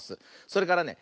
それからね